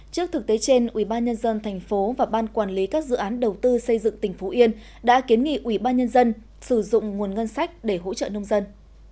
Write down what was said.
trước thực tế trên ubnd tp và ban quản lý các dự án đầu tư xây dựng tỉnh phú yên đã kiến nghị ubnd sử dụng nguồn ngân sách để hỗ trợ nông dân